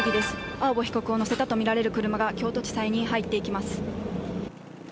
青葉被告を乗せたとみられる車が京都地裁に入っていきます。